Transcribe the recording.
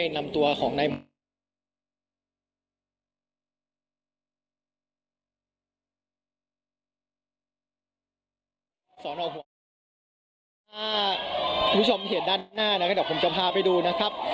น่ามุชมเห็นด้านหน้านะครับผมจะพาไปดูนะครับ